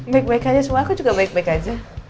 baik baik aja semua aku juga baik baik aja